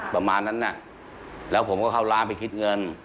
ประมาณนั้นน่ะแล้วผมก็เข้าร้านไปคิดเงิน